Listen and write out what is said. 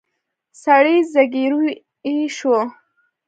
سړي زګېروی شو.